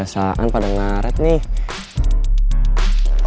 biasaan pada naret nih